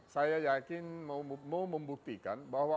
saya yakin mau membuktikan bahwa